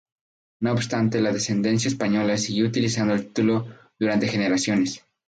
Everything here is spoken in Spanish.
No obstante la descendencia española siguió utilizando el título durante generaciones.